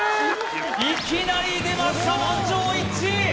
いきなり出ました満場一致！